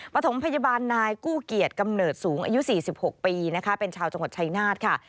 ปฐมพยาบาลนายกู้เกียรติกำเนิดสูงอายุ๔๖ปีนะคะเป็นชาวจังหวัดชายนาฏค่ะ